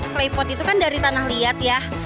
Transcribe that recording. klaypot itu kan dari tanah liat ya